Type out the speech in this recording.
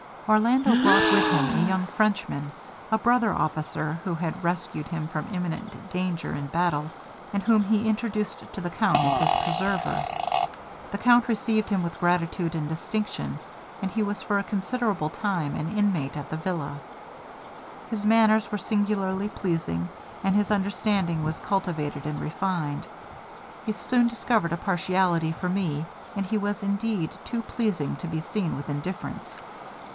'Orlando brought with him a young Frenchman, a brother officer, who had rescued him from imminent danger in battle, and whom he introduced to the count as his preserver. The count received him with gratitude and distinction, and he was for a considerable time an inmate at the villa. His manners were singularly pleasing, and his understanding was cultivated and refined. He soon discovered a partiality for me, and he was indeed too pleasing to be seen with indifference.